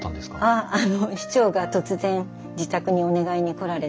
あの市長が突然自宅にお願いに来られたんで。